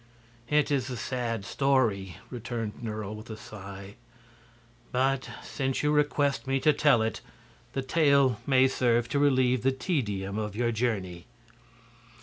"It is a sad story," returned Nerle, with a sigh; "but since you request me to tell it, the tale may serve to relieve the tedium of your journey.